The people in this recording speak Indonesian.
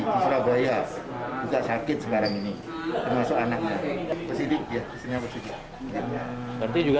di surabaya juga sakit sekarang ini termasuk anaknya jadi dia bisa ngapain ya seperti juga